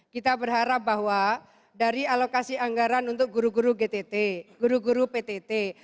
kita berharap bahwa dari alokasi anggaran untuk guru guru gtt guru guru ptt